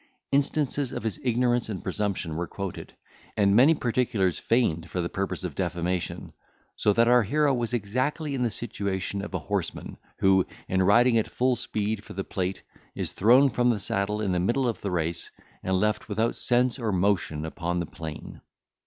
Instances of his ignorance and presumption were quoted, and many particulars feigned for the purpose of defamation, so that our hero was exactly in the situation of a horseman, who, in riding at full speed for the plate, is thrown from the saddle in the middle of the race, and left without sense or motion upon the plain.